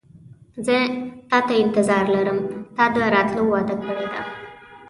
زه تاته انتظار لرم تا د راتلو وعده کړې ده.